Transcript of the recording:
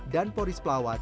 dan polis pelawat